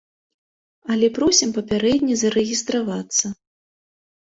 Але просім папярэдне зарэгістравацца.